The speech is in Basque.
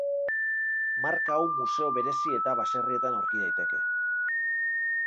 Marka hau museo berezi eta baserrietan aurki daiteke.